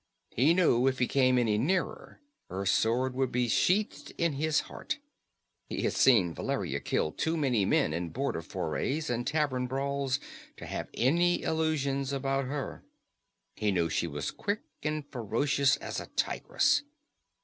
He knew if he came any nearer her sword would be sheathed in his heart. He had seen Valeria kill too many men in border forays and tavern brawls to have any illusions about her. He knew she was as quick and ferocious as a tigress.